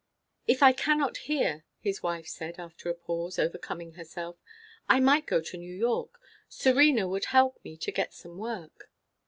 "If I cannot here," his wife said after a pause, overcoming herself, "I might go to New York. Serena would help me to get some work."